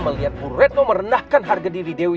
melihat bu redno merenahkan harga diri dewi